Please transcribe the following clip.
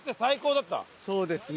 そうですね。